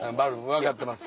分かってます。